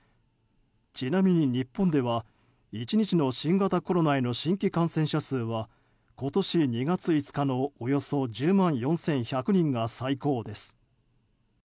ちなみに日本では１日の新型コロナへの新規感染者数は今年２月５日のおよそ１０万４１００人が最高です。